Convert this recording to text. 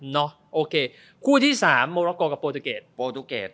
เนอะโอเคคู่ที่สามโมโลกรกับโปรตุเกตโปรตุเกต